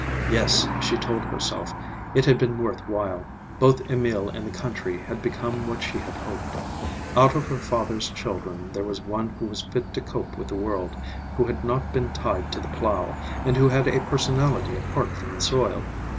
Yes, she told herself, it had been worth while; both Emil and the country had become what she had hoped. Out of her father's children there was one who was fit to cope with the world, who had not been tied to the plow, and who had a personality apart from the soil.